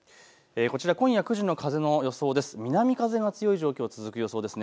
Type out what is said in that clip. こちら今夜９時の風の予想です。